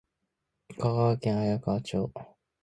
香川県綾川町